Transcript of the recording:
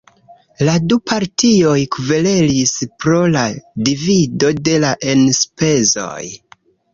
La du partioj kverelis pro la divido de la enspezoj.